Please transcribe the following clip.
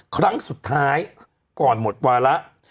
ครั้งสุดท้ายก่อนหมดวาระ